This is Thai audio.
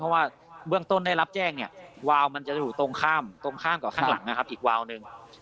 เพราะว่าเบื้องต้นได้รับแจ้งเนี่ยวาวมันจะอยู่ตรงข้ามตรงข้ามกับข้างหลังนะครับอีกวาวหนึ่ง